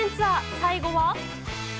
最後は。